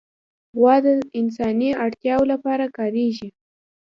غوا د انساني اړتیاوو لپاره کارېږي.